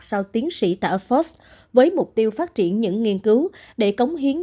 sau tiến sĩ tại oxford với mục tiêu phát triển những nghiên cứu để cống hiến